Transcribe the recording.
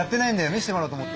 見してもらおうと思って。